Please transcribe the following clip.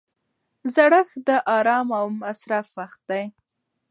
زړښت د ارام او مصرف وخت دی.